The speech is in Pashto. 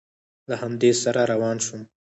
له همده سره روان شوم.